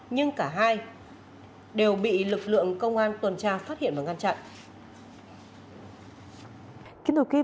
nhưng cả hai đều bị lực lượng công an tuần tra phát hiện và ngăn chặn